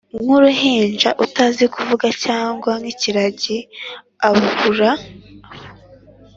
wuruhinja utazi kuvuga cyangwa nkikiragi abura